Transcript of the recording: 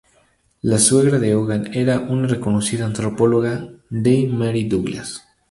La suegra de Hogan era una reconocida antropóloga Dame Mary Douglas.